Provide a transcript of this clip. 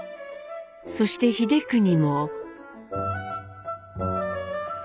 そして英邦も。